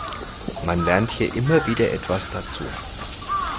Man lernt hier immer wieder etwas dazu.